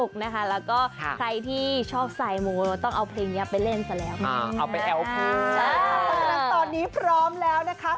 เพราะฉะนั้นตอนนี้พร้อมแล้วนะคะ